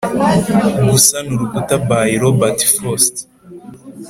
"gusana urukuta" by robert frost